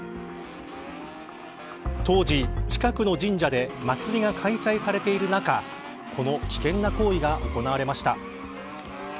当時、近くの神社で祭りが開催されている中この危険な行為が行われました。